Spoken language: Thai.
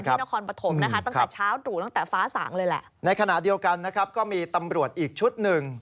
ครับเปิดประตูอันนี้มันของที่ไหนไม่ไม่เปิดพังน่ะหนึ่ง